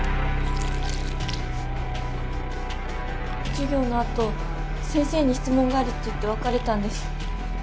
授業の後先生に質問があるっていって別れたんです。